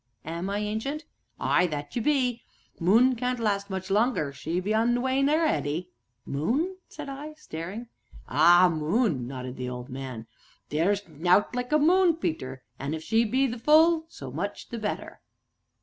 "Am I, Ancient?" "Ay, that ye be moon can't last much longer she be on the wane a'ready!" "Moon?" said I, staring. "Ah, moon!" nodded the old man; "theer's nowt like a moon, Peter, an' if she be at the full so much the better."